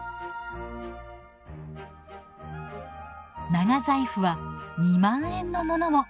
長財布は２万円のものも！